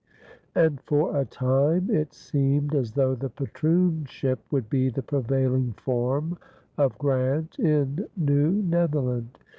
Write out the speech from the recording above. And for a time it seemed as though the patroonship would be the prevailing form of grant in New Netherland.